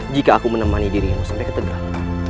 jika aku menemani dirimu sampai ke tegal